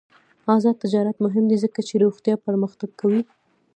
آزاد تجارت مهم دی ځکه چې روغتیا پرمختګ ورکوي.